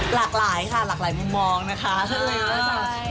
หลากหลายค่ะหลากหลายมุมมองนะคะใช่ค่ะ